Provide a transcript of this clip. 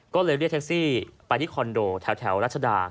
ก็เลยเรียกแท็กซี่ไปที่คอนโดแถวรัชดา